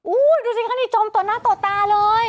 อู้ยดูสิคะนี่จมตัวหน้าตัวตาเลย